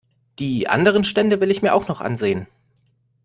Die anderen Stände will ich mir auch noch ansehen.